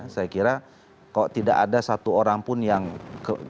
saya kira kok tidak ada satu orang pun yang kita berhati hati